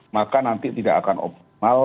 maka nanti tidak akan optimal